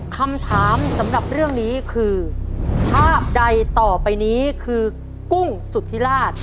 คำถามสำหรับเรื่องนี้คือภาพใดต่อไปนี้คือกุ้งสุธิราช